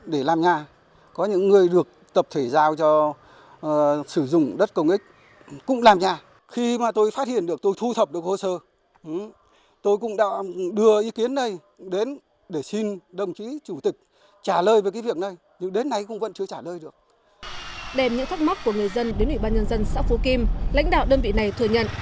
đềm những thắc mắc của người dân đến ủy ban nhân dân xã phú kim lãnh đạo đơn vị này thừa nhận